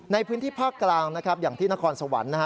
ในพื้นที่ภาคกลางนะครับอย่างที่นครสวรรค์นะฮะ